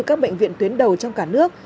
các bệnh viện tuyến đầu trong cả nước